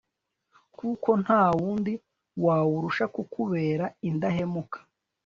kuko nta wundi wawurusha kukubera indahemuka